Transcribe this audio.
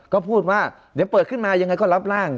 ก็พูดว่าเดี๋ยวเปิดขึ้นมายังไงก็รับร่าง